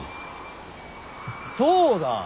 そうだ